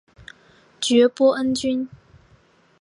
爵波恩君。